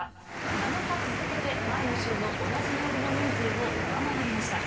７日続けて前の週の同じ曜日の人数を上回りました。